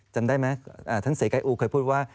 จำได้ไหมท่านเสกายอูเคยพูดว่า